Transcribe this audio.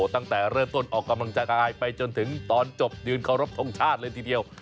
ตั้งแต่เริ่มต้นออกกำลังกายไปจนทั้งจบยืนเค้าร์ับทรงชาติเลย